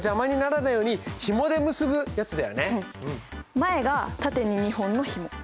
前が縦に２本のヒモ。